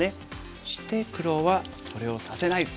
そして黒はそれをさせない。